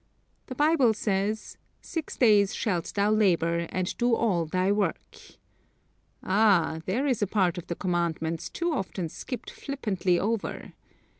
The Bible says: "Six days shalt thou labor and do all thy work." Ah! there is a part of the commandments too often skipped flippantly over.